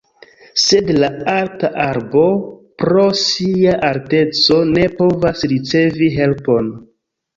Sed la alta arbo, pro sia alteco, ne povas ricevi helpon.